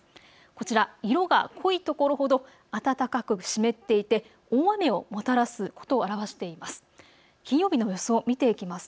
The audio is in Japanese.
こちら色が濃いところほど暖かく湿っていて大雨をもたらすことを表しています。